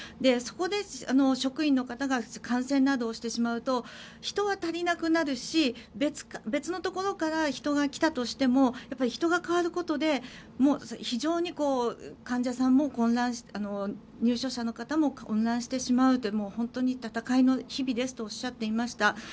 そこで職員の方が感染などをしてしまうと人は足りなくなるし別のところから人が来たとしても人が代わることで非常に患者さんも混乱入所者の方も混乱してしまうという本当に闘いの日々ですとおっしゃっていました。